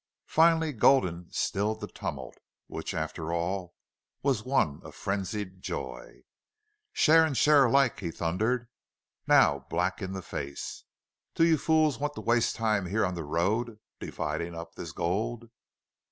Finally Gulden stilled the tumult, which, after all, was one of frenzied joy. "Share and share alike!" he thundered, now black in the face. "Do you fools want to waste time here on the road, dividing up this gold?"